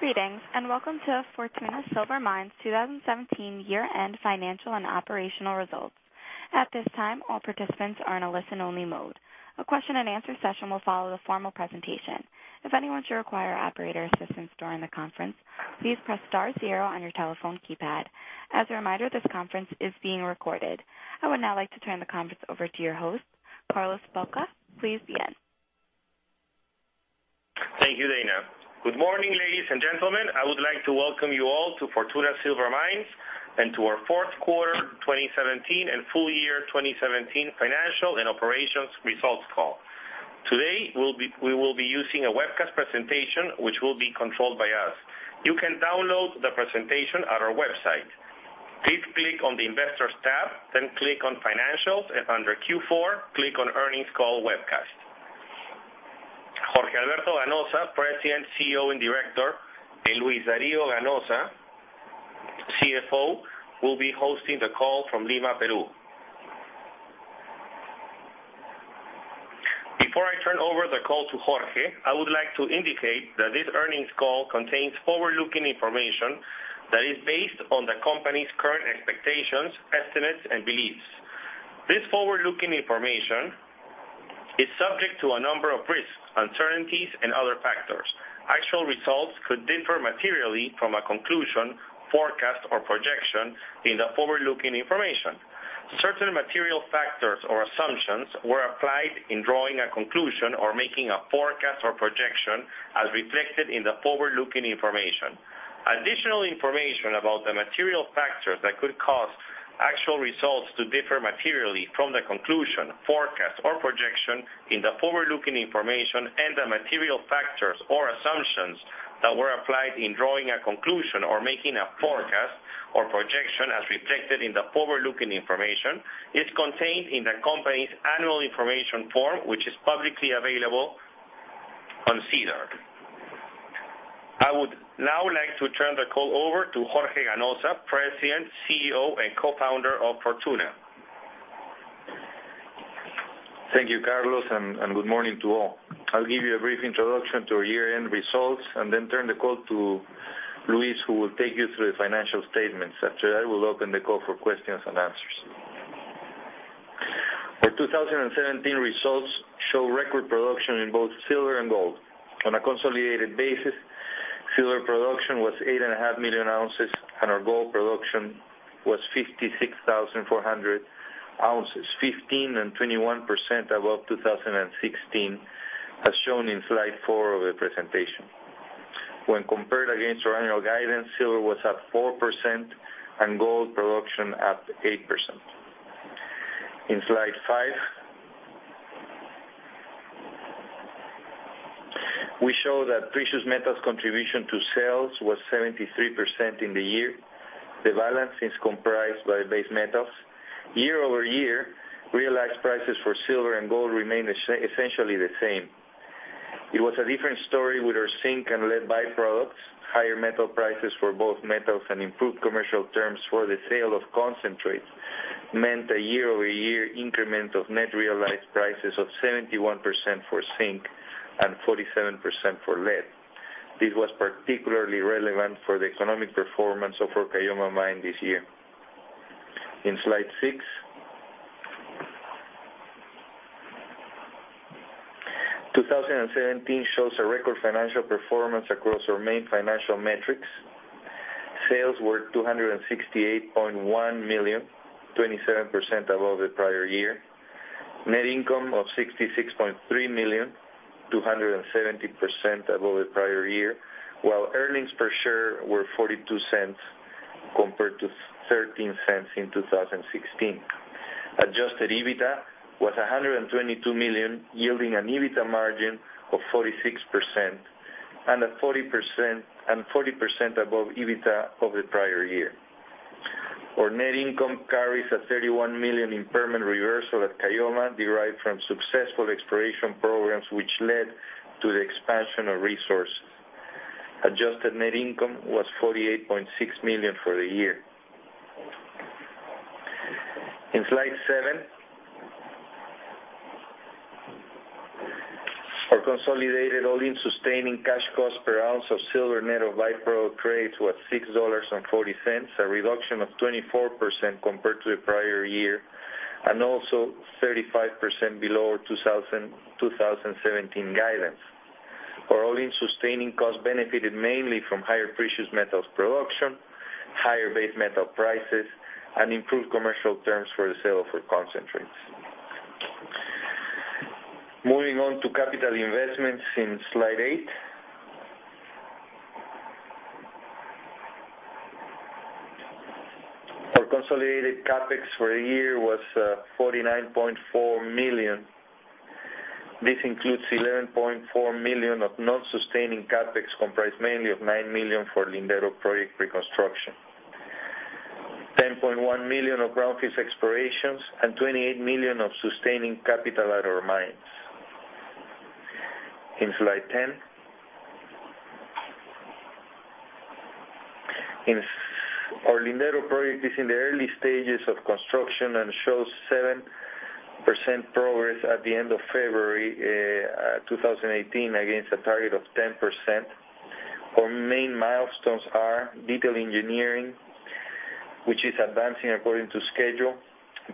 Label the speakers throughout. Speaker 1: Greetings, and welcome to Fortuna Silver Mines 2017 year-end financial and operational results. At this time, all participants are in a listen-only mode. A question and answer session will follow the formal presentation. If anyone should require operator assistance during the conference, please press star zero on your telephone keypad. As a reminder, this conference is being recorded. I would now like to turn the conference over to your host, Carlos Baca. Please begin.
Speaker 2: Thank you, Dana. Good morning, ladies and gentlemen. I would like to welcome you all to Fortuna Silver Mines and to our fourth quarter 2017 and full year 2017 financial and operations results call. Today, we will be using a webcast presentation which will be controlled by us. You can download the presentation at our website. Please click on the Investors tab, then click on Financials, and under Q4, click on Earnings Call Webcast. Jorge Alberto Ganoza, President, CEO, and Director, and Luis D. Ganoza, CFO, will be hosting the call from Lima, Peru. Before I turn over the call to Jorge, I would like to indicate that this earnings call contains forward-looking information that is based on the company's current expectations, estimates, and beliefs. This forward-looking information is subject to a number of risks, uncertainties, and other factors. Actual results could differ materially from a conclusion, forecast, or projection in the forward-looking information. Certain material factors or assumptions were applied in drawing a conclusion or making a forecast or projection as reflected in the forward-looking information. Additional information about the material factors that could cause actual results to differ materially from the conclusion, forecast, or projection in the forward-looking information and the material factors or assumptions that were applied in drawing a conclusion or making a forecast or projection as reflected in the forward-looking information is contained in the company's annual information form, which is publicly available on SEDAR+. I would now like to turn the call over to Jorge Alberto Ganoza, President, CEO, and Co-founder of Fortuna.
Speaker 3: Thank you, Carlos, and good morning to all. I'll give you a brief introduction to our year-end results and then turn the call to Luis, who will take you through the financial statements. After that, I will open the call for questions and answers. Our 2017 results show record production in both silver and gold. On a consolidated basis, silver production was 8.5 million ounces, and our gold production was 56,400 ounces, 15% and 21% above 2016, as shown in slide four of the presentation. When compared against our annual guidance, silver was at 4% and gold production at 8%. In slide five, we show that precious metals contribution to sales was 73% in the year. The balance is comprised by base metals. Year-over-year, realized prices for silver and gold remained essentially the same. It was a different story with our zinc and lead byproducts. Higher metal prices for both metals and improved commercial terms for the sale of concentrates meant a year-over-year increment of net realized prices of 71% for zinc and 47% for lead. This was particularly relevant for the economic performance of our Caylloma Mine this year. In slide six, 2017 shows a record financial performance across our main financial metrics. Sales were $268.1 million, 27% above the prior year. Net income of $66.3 million, 270% above the prior year, while earnings per share were $0.42 compared to $0.13 in 2016. Adjusted EBITDA was $122 million, yielding an EBITDA margin of 46% and 40% above EBITDA of the prior year. Our net income carries a $31 million impairment reversal at Caylloma derived from successful exploration programs, which led to the expansion of resources. Adjusted net income was $48.6 million for the year. In slide seven, our consolidated all-in sustaining cash costs per ounce of silver net of by-product credits was $6.40, a reduction of 24% compared to the prior year and also 35% below our 2017 guidance. Our all-in sustaining costs benefited mainly from higher precious metals production, higher base metal prices, and improved commercial terms for the sale of our concentrates. Moving on to capital investments in slide eight. Our consolidated CapEx for the year was $49.4 million. This includes $11.4 million of non-sustaining CapEx, comprised mainly of $9 million for Lindero project reconstruction, $10.1 million of greenfield explorations, and $28 million of sustaining capital at our mines. In slide 10. In our Lindero project is in the early stages of construction and shows 7% progress at the end of February 2018 against a target of 10%. Our main milestones are detailed engineering, which is advancing according to schedule.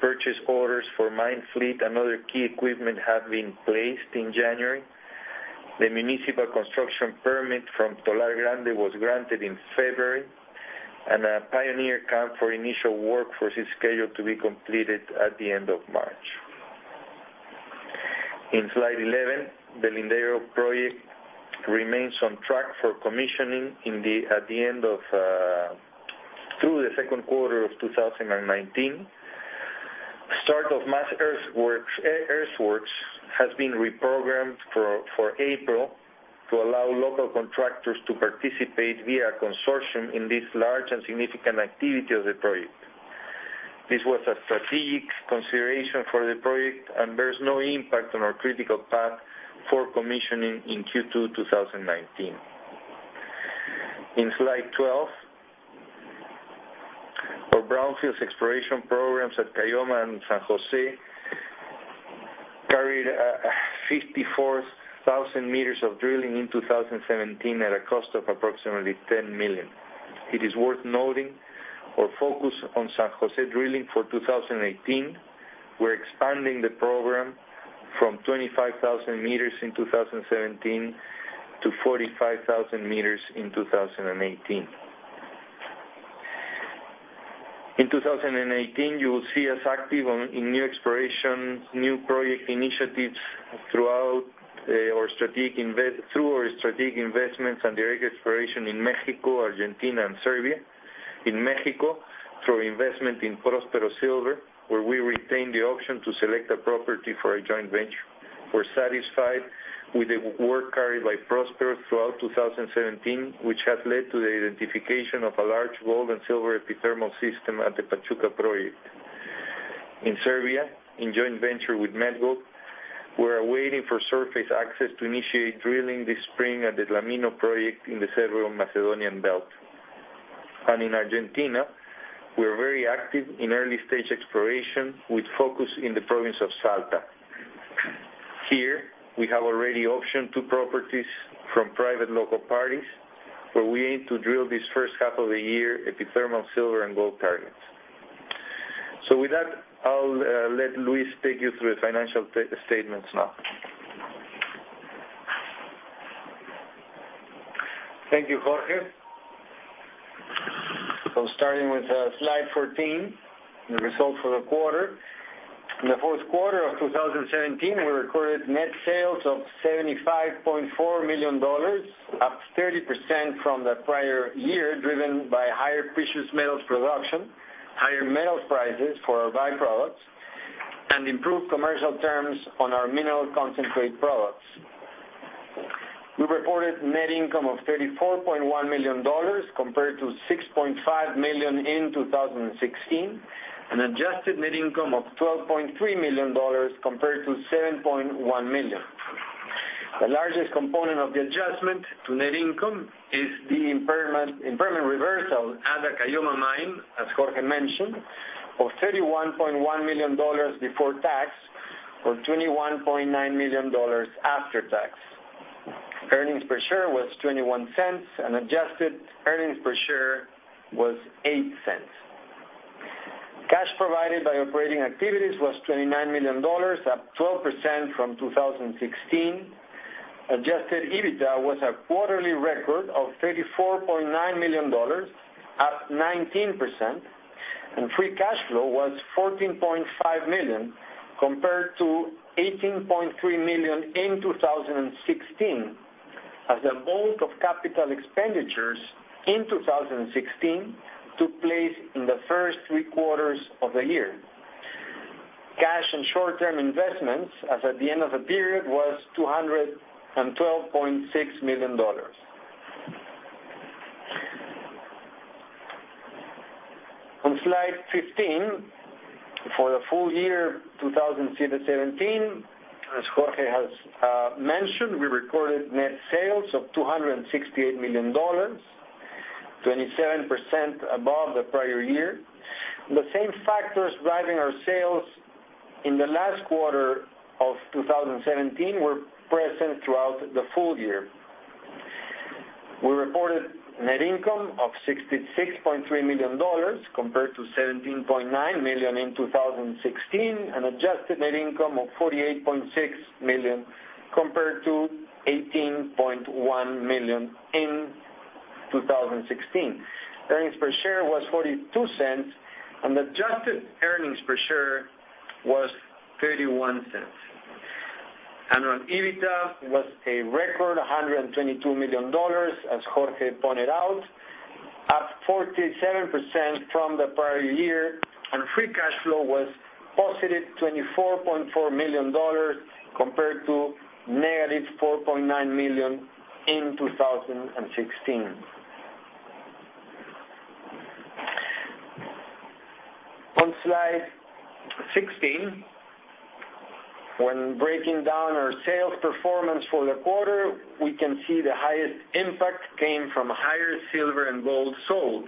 Speaker 3: Purchase orders for mine fleet and other key equipment have been placed in January. The municipal construction permit from Tolar Grande was granted in February, and a pioneer camp for initial workforce is scheduled to be completed at the end of March. In slide 11, the Lindero project remains on track for commissioning through the second quarter of 2019. Start of mass earthworks has been reprogrammed for April to allow local contractors to participate via a consortium in this large and significant activity of the project. This was a strategic consideration for the project, and there's no impact on our critical path for commissioning in Q2 2019. In slide 12, our brownfields exploration programs at Caylloma and San José carried 54,000 meters of drilling in 2017 at a cost of approximately $10 million. It is worth noting our focus on San José drilling for 2018. We're expanding the program from 25,000 meters in 2017 to 45,000 meters in 2018. In 2018, you will see us active in new exploration, new project initiatives through our strategic investments and direct exploration in Mexico, Argentina, and Serbia. In Mexico, through investment in Prospero Silver, where we retain the option to select a property for a joint venture, we're satisfied with the work carried out by Prospero throughout 2017, which has led to the identification of a large gold and silver epithermal system at the Pachuca project. In Serbia, in joint venture with Medgold, we are waiting for surface access to initiate drilling this spring at the Novo Tlamino project in the Serbo-Macedonian Belt. In Argentina, we are very active in early stage exploration with focus in the province of Salta. Here, we have already optioned two properties from private local parties, where we aim to drill this first half of the year epithermal silver and gold targets. With that, I'll let Luis take you through the financial statements now.
Speaker 4: Thank you, Jorge. Starting with slide 14, the results for the quarter. In the fourth quarter of 2017, we recorded net sales of $75.4 million, up 30% from the prior year, driven by higher precious metals production, higher metals prices for our by-products, and improved commercial terms on our mineral concentrate products. We reported net income of $34.1 million, compared to $6.5 million in 2016, and adjusted net income of $12.3 million compared to $7.1 million. The largest component of the adjustment to net income is the impairment reversal at the Caylloma mine, as Jorge mentioned, of $31.1 million before tax, or $21.9 million after tax. Earnings per share was $0.21, and adjusted earnings per share was $0.08. Cash provided by operating activities was $29 million, up 12% from 2016. Adjusted EBITDA was a quarterly record of $34.9 million, up 19%, and free cash flow was $14.5 million, compared to $18.3 million in 2016, as the bulk of capital expenditures in 2016 took place in the first three quarters of the year. Cash and short-term investments as at the end of the period was $212.6 million. On slide 15, for the full year 2017, as Jorge has mentioned, we recorded net sales of $268 million, 27% above the prior year. The same factors driving our sales in the last quarter of 2017 were present throughout the full year. We reported net income of $66.3 million, compared to $17.9 million in 2016, and adjusted net income of $48.6 million, compared to $18.1 million in 2016. Earnings per share was $0.42, and adjusted earnings per share was $0.31. Annual EBITDA was a record $122 million, as Jorge pointed out, up 47% from the prior year, and free cash flow was positive $24.4 million compared to negative $4.9 million in 2016. On slide 16, when breaking down our sales performance for the quarter, we can see the highest impact came from higher silver and gold sold.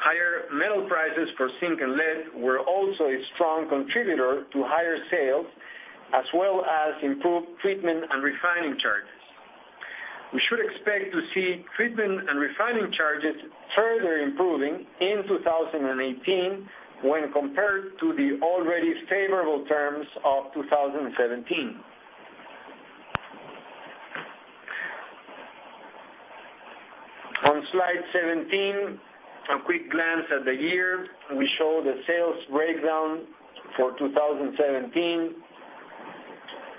Speaker 4: Higher metal prices for zinc and lead were also a strong contributor to higher sales, as well as improved treatment and refining charges. We should expect to see treatment and refining charges further improving in 2018 when compared to the already favorable terms of 2017. On slide 17, a quick glance at the year, we show the sales breakdown for 2017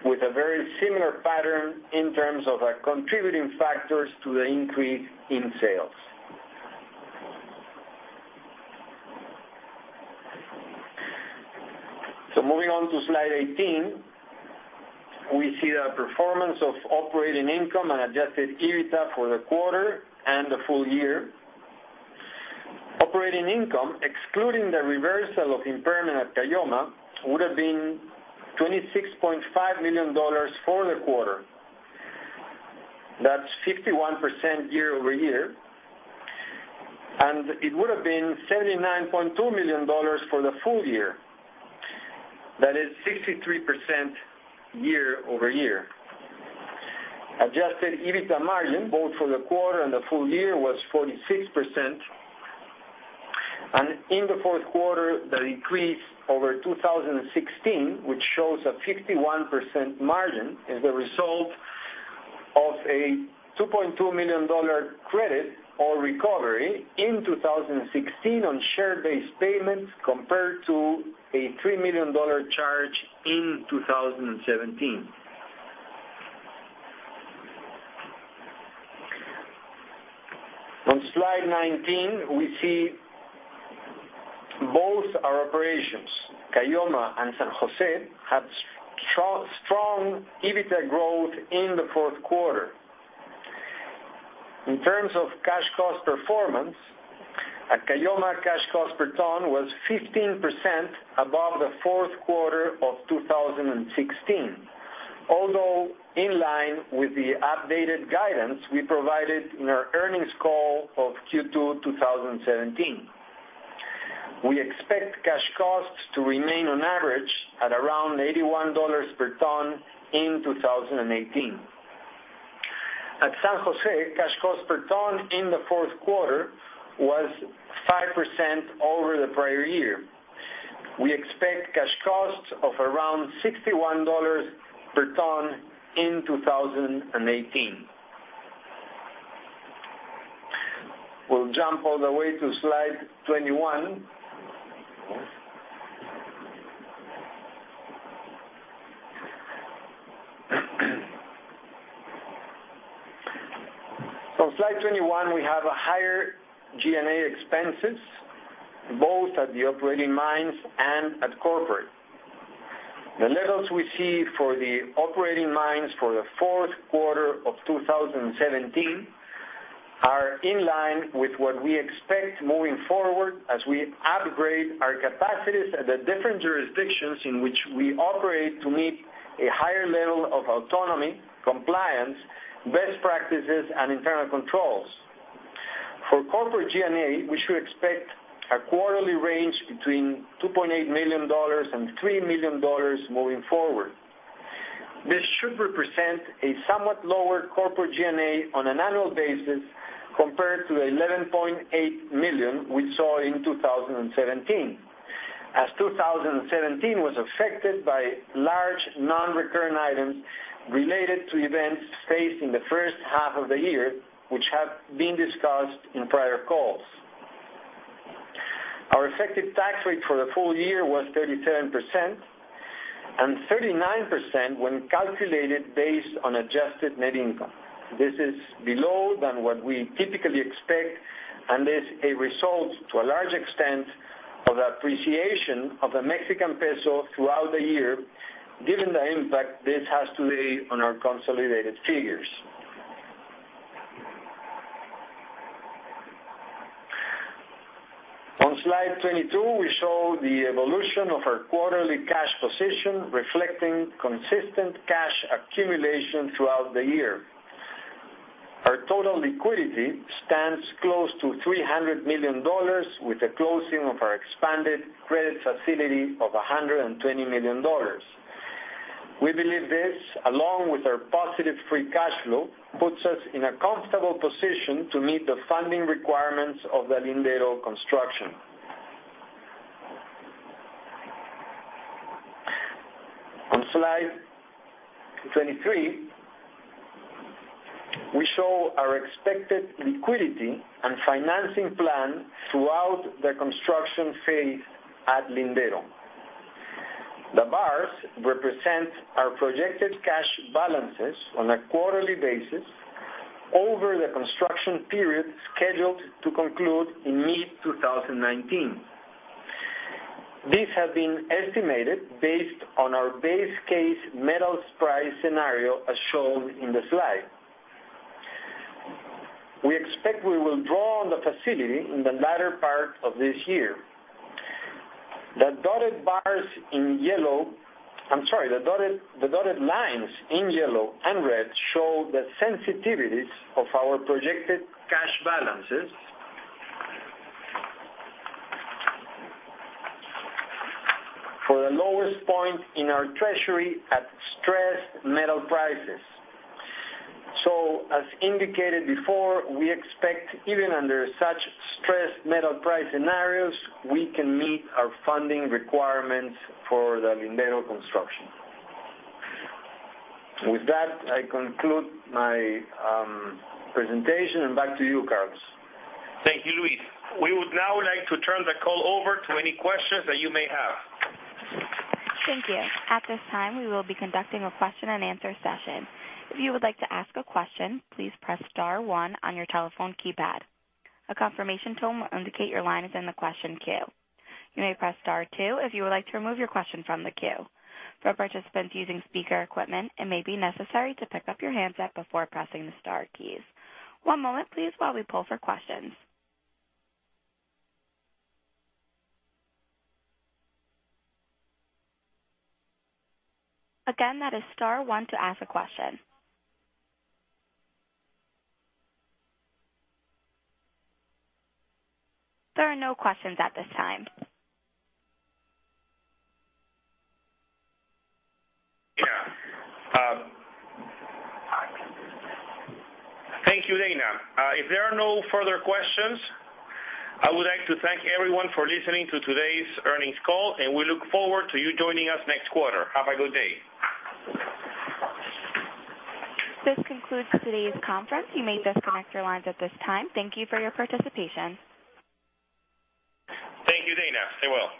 Speaker 4: with a very similar pattern in terms of our contributing factors to the increase in sales. Moving on to slide 18, we see the performance of operating income and adjusted EBITDA for the quarter and the full year. Operating income, excluding the reversal of impairment at Caylloma Mine, would've been $26.5 million for the quarter. That's 51% year-over-year. It would've been $79.2 million for the full year. That is 63% year-over-year. Adjusted EBITDA margin, both for the quarter and the full year, was 46%. In the fourth quarter, the increase over 2016, which shows a 51% margin, is the result of a $2.2 million credit or recovery in 2016 on share-based payments, compared to a $3 million charge in 2017. On slide 19, we see both our operations, Caylloma and San José, had strong EBITDA growth in the fourth quarter. In terms of cash cost performance, at Caylloma, cash cost per ton was 15% above the fourth quarter of 2016. Although in line with the updated guidance we provided in our earnings call of Q2 2017. We expect cash costs to remain on average at around $81 per ton in 2018. At San José, cash cost per ton in the fourth quarter was 5% over the prior year. We expect cash costs of around $61 per ton in 2018. We'll jump all the way to slide 21. On slide 21, we have higher G&A expenses, both at the operating mines and at corporate. The levels we see for the operating mines for the fourth quarter of 2017 are in line with what we expect moving forward as we upgrade our capacities at the different jurisdictions in which we operate to meet a higher level of autonomy, compliance, best practices, and internal controls. For corporate G&A, we should expect a quarterly range between $2.8 million and $3 million moving forward. This should represent a somewhat lower corporate G&A on an annual basis compared to the $11.8 million we saw in 2017, as 2017 was affected by large non-recurring items related to events faced in the first half of the year, which have been discussed in prior calls. Our effective tax rate for the full year was 37% and 39% when calculated based on adjusted net income. This is below than what we typically expect and is a result, to a large extent, of the appreciation of the Mexican peso throughout the year, given the impact this has today on our consolidated figures. On slide 22, we show the evolution of our quarterly cash position reflecting consistent cash accumulation throughout the year. Our total liquidity stands close to $300 million, with the closing of our expanded credit facility of $120 million. We believe this, along with our positive free cash flow, puts us in a comfortable position to meet the funding requirements of the Lindero construction. On slide 23, we show our expected liquidity and financing plan throughout the construction phase at Lindero. The bars represent our projected cash balances on a quarterly basis over the construction period scheduled to conclude in mid-2019. These have been estimated based on our base case metals price scenario as shown in the slide. We expect we will draw on the facility in the latter part of this year. The dotted lines in yellow and red show the sensitivities of our projected cash balances for the lowest point in our treasury at stressed metal prices. As indicated before, we expect even under such stressed metal price scenarios, we can meet our funding requirements for the Lindero construction. With that, I conclude my presentation, and back to you, Carlos.
Speaker 2: Thank you, Luis. We would now like to turn the call over to any questions that you may have.
Speaker 1: Thank you. At this time, we will be conducting a question and answer session. If you would like to ask a question, please press star one on your telephone keypad. A confirmation tone will indicate your line is in the question queue. You may press star two if you would like to remove your question from the queue. For participants using speaker equipment, it may be necessary to pick up your handset before pressing the star keys. One moment, please, while we pull for questions. Again, that is star one to ask a question. There are no questions at this time.
Speaker 2: Yeah. Thank you, Dana. If there are no further questions, I would like to thank everyone for listening to today's earnings call, and we look forward to you joining us next quarter. Have a good day.
Speaker 1: This concludes today's conference. You may disconnect your lines at this time. Thank you for your participation.
Speaker 2: Thank you, Dana. Stay well.